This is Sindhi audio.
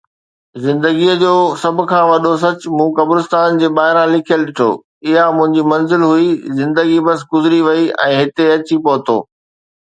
زندگيءَ جو سڀ کان وڏو سچ مون قبرستان جي ٻاهران لکيل ڏٺو. اها منهنجي منزل هئي، زندگي بس گذري وئي ۽ هتي اچي پهتو